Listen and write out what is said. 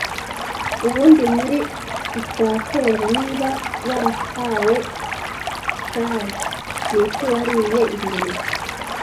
Ubundi muri uquateur niba warahawe cuy niki wariye ingurube